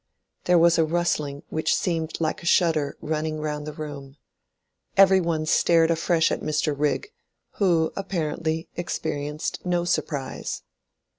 There was a rustling which seemed like a shudder running round the room. Every one stared afresh at Mr. Rigg, who apparently experienced no surprise.